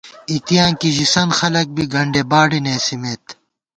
اِتیاں کی ژِسَنت خلَک بی گنڈےباڈےنېسِمېت